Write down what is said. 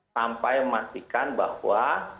sampai memastikan bahwa